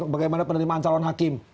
bagaimana penerimaan calon hakim